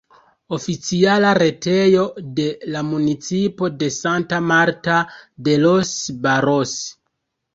Oficiala retejo de la municipo de Santa Marta de los Barros.